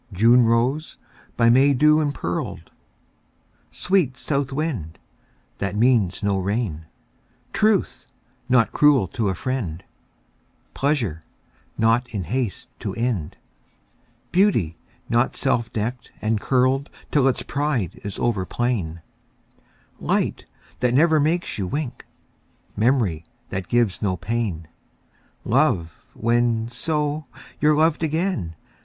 June rose, by May dew impearled; Sweet south wind, that means no rain; Truth, not cruel to a friend; Pleasure, not in haste to end; Beauty, not self decked and curled Till its pride is over plain; Light, that never makes you wink; Memory, that gives no pain; Love, when, so, you're loved again.